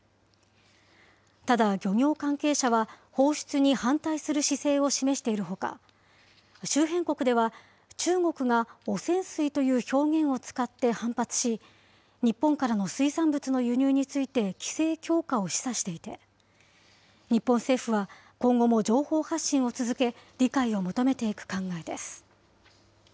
ただ、漁業関係者は、放出に反対する姿勢を示しているほか、周辺国では、中国が汚染水という表現を使って反発し、日本からの水産物の輸入について規制強化を示唆していて、日本政府は今後も情報発信を続け、理解を求めていく考えです。